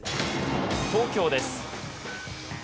東京です。